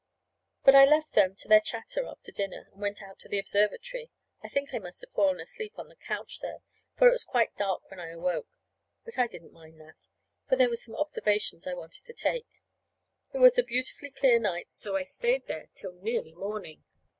But I left them to their chatter after dinner and went out to the observatory. I think I must have fallen asleep on the couch there, for it was quite dark when I awoke. But I didn't mind that, for there were some observations I wanted to take. It was a beautifully clear night, so I stayed there till nearly morning.